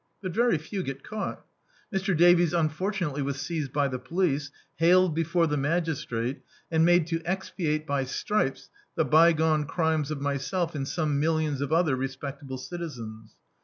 But very few get cau^t. Mr. Davies un fortunately was seized by the police; haled before the magistrate; and made to expiate by stripes the bygone crimes of myself and some millions of other respectable citizens.